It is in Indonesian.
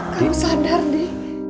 kamu sadar di